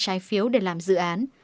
trái phiếu để làm dự án